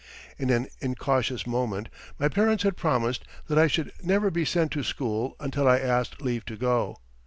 In an incautious moment my parents had promised that I should never be sent to school until I asked leave to go.